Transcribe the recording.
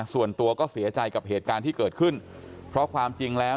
ส่วนตัวก็เสียใจกับเหตุการณ์ที่เกิดขึ้นเพราะความจริงแล้ว